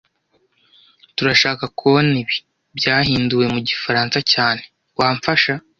Turashaka kubona ibi byahinduwe mu gifaransa cyane Wamfasha?